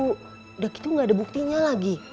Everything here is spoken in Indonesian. udah gitu nggak ada buktinya lagi